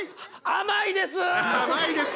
甘いですか！